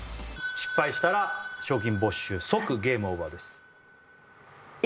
失敗したら賞金没収即ゲームオーバーですいや